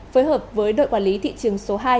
phối hợp với đội quản lý thị trường số hai